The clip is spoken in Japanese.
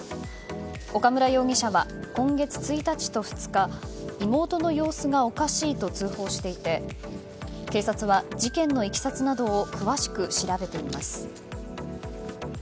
岡村容疑者は今月１日と２日妹の様子がおかしいと通報していて警察は事件のいきさつなどを詳しく調べています。